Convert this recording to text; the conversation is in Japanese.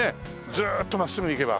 ずーっと真っすぐ行けば。